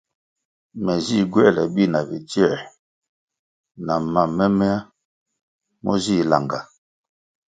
Me zih gywoēle bi na bidzie na mam momeya mo zih langah.